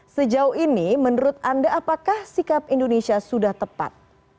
sejauh ini menurut anda apakah sikap indonesia sudah tepat